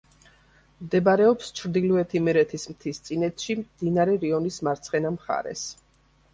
მდებარეობს ჩრდილოეთ იმერეთის მთისწინეთში, მდინარე რიონის მარცხენა მხარეს.